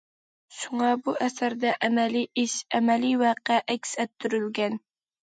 شۇڭا بۇ ئەسەردە ئەمەلىي ئىش، ئەمەلىي ۋەقە ئەكس ئەتتۈرۈلگەن.